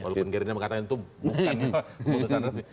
walaupun gerindra mengatakan itu bukan keputusan resmi